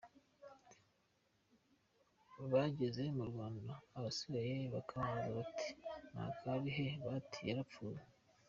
Bageze mu Rwanda, abasigaye bakababaza bati: "Naka ari he ?" Bati: "yarapfuye!".